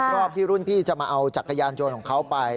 รอบที่รุ่นพี่จะมาเอาจักรยานยนต์ของเขาไป